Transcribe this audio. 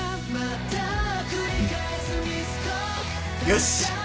よし。